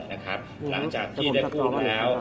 หลังจากที่ได้กู้มาแล้ว